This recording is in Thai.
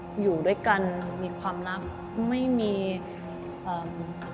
ทุกคนอยู่ด้วยกันมีความลับไม่มีคำพูดที่หยาบคาย